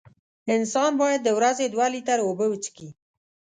انسان باید د ورځې دوه لېټره اوبه وڅیښي.